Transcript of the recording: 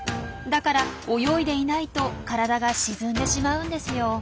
だから泳いでいないと体が沈んでしまうんですよ。